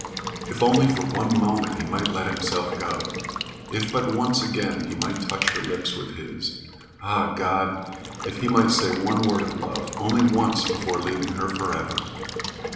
If only for one moment he might let himself go! If but once again he might touch her lips with his! Ah, God! If he might say one word of love only once before leaving her forever!